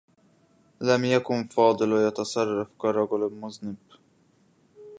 لم يكن فاضل يتصرّف كرجل مذنب.